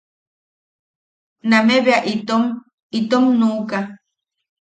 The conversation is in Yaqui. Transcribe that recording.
Name bea itom... itom nuʼuka.